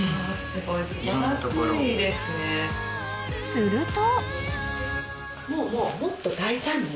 ［すると］